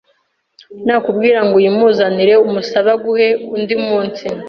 Nakubwira ngo uyimuzanire umusabe aguhe undi munsi